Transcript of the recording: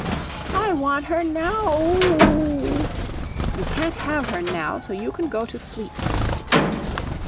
"I want her NOW oo oo " "You can't have her now, so you can go to sleep."